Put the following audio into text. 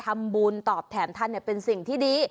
ทำบุญตอบแทนท่านเป็นสิ่งที่ดี